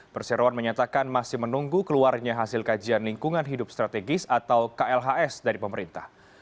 perseroan menyatakan masih menunggu keluarnya hasil kajian lingkungan hidup strategis atau klhs dari pemerintah